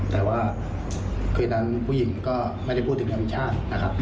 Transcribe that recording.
แต่ว่าคืนนั้นผู้หญิงก็ไม่ได้พูดถึงวิชาศ